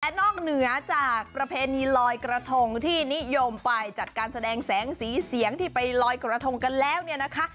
นอกเหนือจากประเพณีลอยกระทงที่นิยมไปจัดการแสดงแสงสีเสียงที่ไปลอยกระทงกันแล้วเนี่ยนะคะ